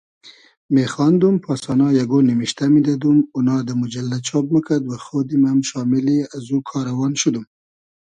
میخاندوم پاسانا یئگۉ نیمیشتۂ میدئدوم اونا دۂ موجئللۂ چاب موکئد وخۉدیم ام شامیلی از او کاروان شودوم